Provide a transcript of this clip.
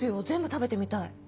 全部食べてみたい。